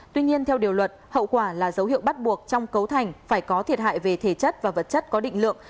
tuy nhiên theo điều luật hậu quả là dấu hiệu bắt buộc trong cấu thành phải có thiệt hại về thể chất và vật chất có định lượng